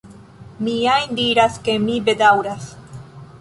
Mi jam diras ke mi bedaŭras.